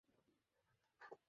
এই পড়াটি গত এক সপ্তাহ ধরে চলছে।